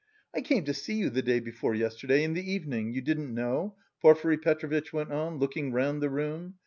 "I came to see you the day before yesterday, in the evening; you didn't know?" Porfiry Petrovitch went on, looking round the room.